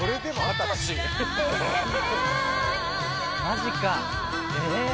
マジかえ！